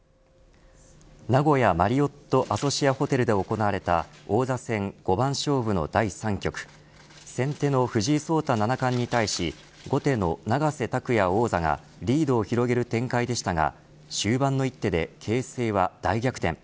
名古屋マリオットアソシアホテルで行われた王座戦五番勝負の第３局先手の藤井聡太七冠に対し後手の永瀬拓矢王座がリードを広げる展開でしたが終盤の一手で形勢は大逆転。